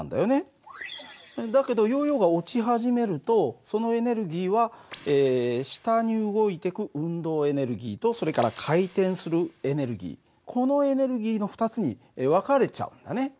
だけどヨーヨーが落ち始めるとそのエネルギーは下に動いてく運動エネルギーとそれから回転するエネルギーこのエネルギーの２つに分かれちゃうんだね。